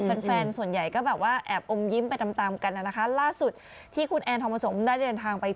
แฟนแฟนส่วนใหญ่ก็แบบว่าแอบอมยิ้มไปตามตามกันนะคะล่าสุดที่คุณแอนทองผสมได้เดินทางไป